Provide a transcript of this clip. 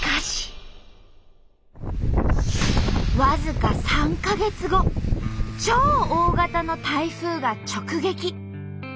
僅か３か月後超大型の台風が直撃。